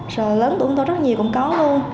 rồi lớn tuổi của tôi rất nhiều cũng có luôn